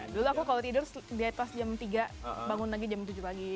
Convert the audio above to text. dulu aku kalau tidur dia pas jam tiga bangun lagi jam tujuh pagi